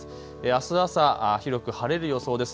あす朝、広く晴れる予想です。